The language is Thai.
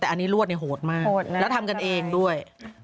แต่อันนี้รวดเนี่ยโหดมากแล้วทำกันเองด้วย